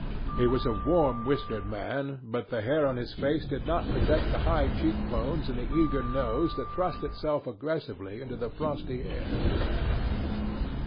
He was a warm whiskered man, but the hair on his face did not protect the high cheek bones and the eager nose that thrust itself aggressively into the frosty air.